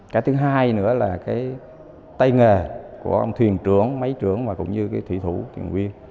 cái thứ hai nữa là cái tay nghề của ông thuyền trưởng máy trưởng và cũng như cái thủy thủ thuyền viên